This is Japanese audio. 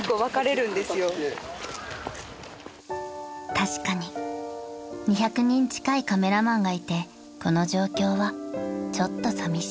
［確かに２００人近いカメラマンがいてこの状況はちょっとさみしい］